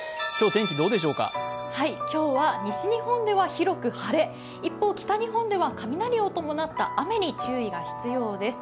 今日は西日本では広く晴れ一方、北日本では雷を伴った雨に注意が必要です。